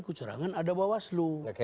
kecerangan ada bawah slu